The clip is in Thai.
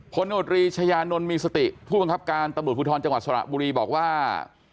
พนุษย์ริชญานนลมิสติผู้ค้องคาบการตำรุดภูทรจังหวัดสละบุรีบอกว่า